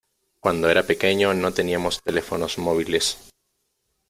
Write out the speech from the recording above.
Cuando era pequeño no teníamos teléfonos móviles.